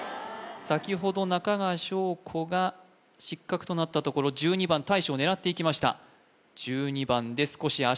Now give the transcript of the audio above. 先ほど中川翔子が失格となったところ１２番大将狙っていきました